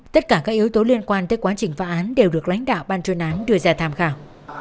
tất cả các yếu tố liên quan tới quá trình phá án đều được lãnh đạo ban chuyên án đưa ra tham khảo